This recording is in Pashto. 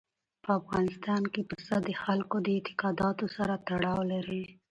په افغانستان کې پسه د خلکو د اعتقاداتو سره تړاو لري.